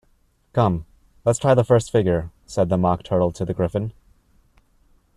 ‘Come, let’s try the first figure!’ said the Mock Turtle to the Gryphon.